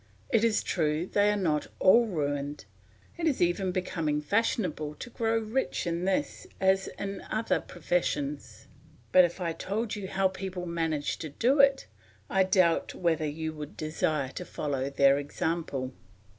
It is true they are not all ruined; it is even becoming fashionable to grow rich in this as in other professions; but if I told you how people manage to do it, I doubt whether you would desire to follow their example.